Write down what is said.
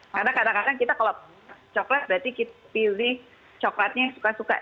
karena kadang kadang kita kalau coklat berarti kita pilih coklatnya yang suka suka